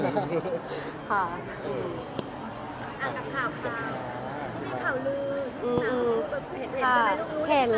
อืม